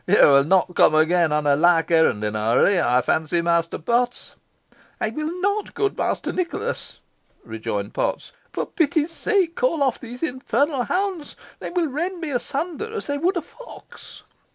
"You will not come again on a like errand, in a hurry, I fancy Master Potts," he said. "I will not, good Master Nicholas," rejoined Potts; "for pity's sake call off these infernal hounds. They will rend me asunder as they would a fox."